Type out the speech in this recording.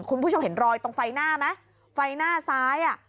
คุณผู้ชมเห็นรอยตรงไฟหน้าไหมไฟหน้าซ้ายอ่ะ